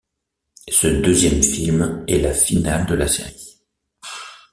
Ce deuxième film est la finale de la série.